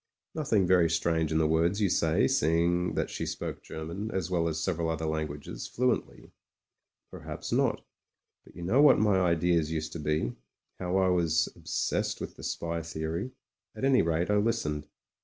Nothing very strange in the words you say, seeing that she spoke German, as well as several other lan guages, fluently. Perhaps not — but you know what my ideas used to be — how I was obsessed with the spy theory: at any rate, I listened.